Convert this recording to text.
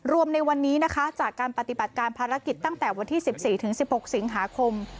ในวันนี้นะคะจากการปฏิบัติการภารกิจตั้งแต่วันที่๑๔๑๖สิงหาคม